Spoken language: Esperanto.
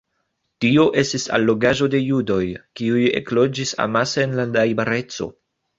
Tio estis allogaĵo de judoj, kiuj ekloĝis amase en la najbareco.